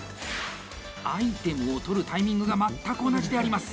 アイテムを取るタイミングが全く同じであります！